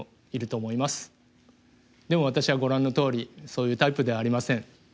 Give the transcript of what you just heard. でも私はご覧のとおりそういうタイプではありません。